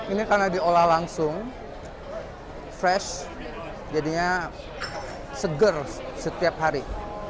ini karena diolah langsung fresh jadinya seger setiap hari